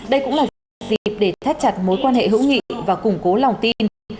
đây cũng là một dịp để thét chặt mối quan hệ hữu nghị và củng cố lòng tin